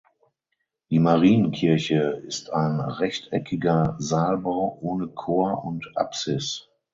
Die Marienkirche ist ein rechteckiger Saalbau ohne Chor und Apsis.